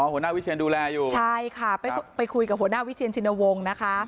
หัวหน้าวิเชียนดูแลอยู่ใช่ค่ะไปคุยกับหัวหน้าวิเชียนชินวงศ์นะคะ